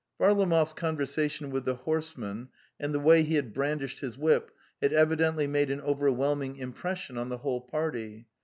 Varlamov's conversation with the horseman and the way he had brandished his whip had evidently made an overwhelming impression on the whole party.